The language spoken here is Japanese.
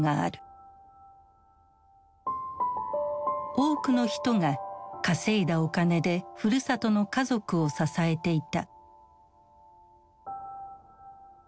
多くの人が稼いだお金でふるさとの家族を支えていた。